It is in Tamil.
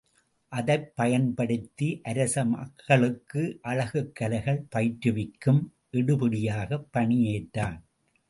அதைப் பயன்படுத்தி அரச மகளுக்கு அழகுக் கலைகள் பயிற்றுவிக்கும் எடுபிடியாகப் பணி ஏற்றான்.